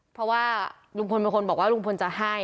เพราะว่าลุงพลเป็นคนบอกว่าลุงพลจะให้